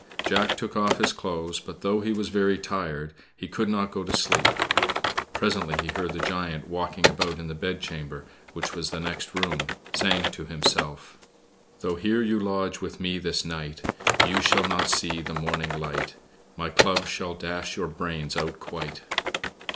Jack took off his clothes; but, though he was very tired, he could not go to sleep. Presently he heard the giant walking about in the bedchamber, which was the next room, saying to himself: "Though here you lodge with me this night; You shall not see the morning light; My club shall dash your brains out quite."